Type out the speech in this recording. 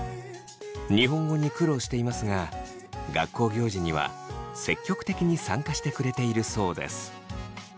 日本語に苦労していますが学校行事には積極的に参加してくれているそうです。